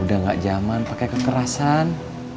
udah gak zaman pakai kekerasan